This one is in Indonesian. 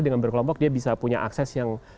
dengan berkelompok dia bisa punya akses yang